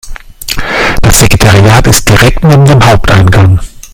Das Sekretariat ist direkt neben dem Haupteingang.